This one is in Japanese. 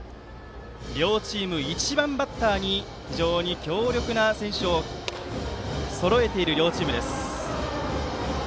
両チーム、１番バッターに非常に強力な選手をそろえている両チームです。